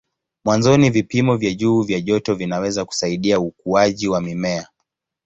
Mwanzoni vipimo vya juu vya joto vinaweza kusaidia ukuaji wa mimea.